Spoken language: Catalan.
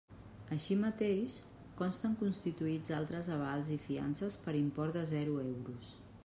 Així mateix, consten constituïts altres avals i fiances per import de zero euros.